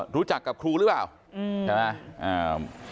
รู้จักกับครูหรือเปล่าใช่ไหม